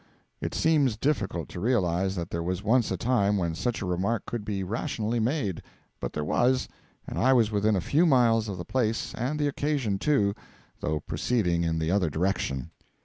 It seems difficult to realise that there was once a time when such a remark could be rationally made; but there was, and I was within a few miles of the place and the occasion too, though proceeding in the other direction.